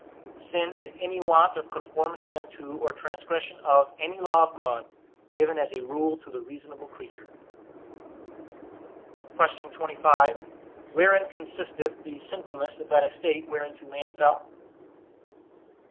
Sin is any want of conformity unto, or transgression of, any law of God, given as a rule to the reasonable creature. Q. 25. Wherein consisteth the sinfulness of that estate whereinto man fell?